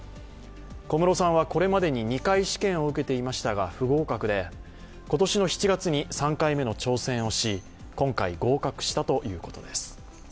小室さんは、これまでに２回試験を受けていましたが不合格で、今年の７月に３回目の挑戦をし、今回合格したということです。